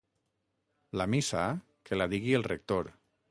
La missa que la digui el rector.